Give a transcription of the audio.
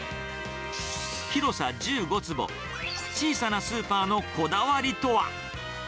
広さ１５坪、小さなスーパーのこだわりとは。